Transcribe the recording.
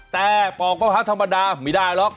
แต่ปอกมะพร้าวธรรมดาไม่ได้หรอก